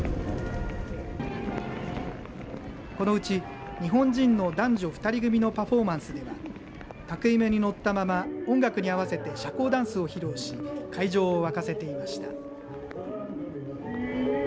このうち日本人の男女２人組のパフォーマンスでは竹馬に乗ったまま音楽に合わせて社交ダンスを披露し会場を沸かせていました。